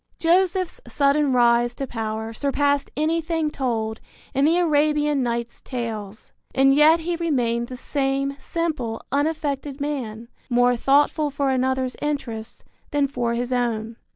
Joseph's sudden rise to power surpassed anything told in the Arabian Nights' Tales, and yet he remained the same simple, unaffected man, more thoughtful for another's interests than for his own.